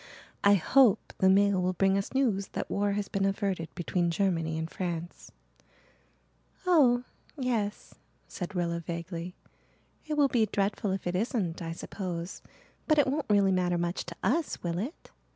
"I hope the mail will bring us news that war has been averted between Germany and France." "Oh yes," said Rilla vaguely. "It will be dreadful if it isn't, I suppose. But it won't really matter much to us, will it?